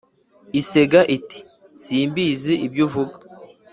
isega iti simbizi ibyo uvuga